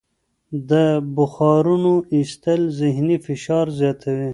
د بخارونو ایستل ذهني فشار زیاتوي.